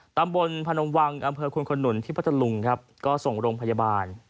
ตำบลพนมวังอำเภอคุณขนุนที่พัทธลุงครับก็ส่งโรงพยาบาล